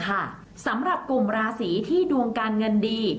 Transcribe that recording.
เปลี่ยนแปลงไปค่ะสำหรับกลุ่มราศีที่ดวงการเงินดี